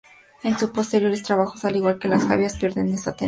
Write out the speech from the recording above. En sus posteriores trabajos, al igual que Los Jaivas, pierden esa tendencia.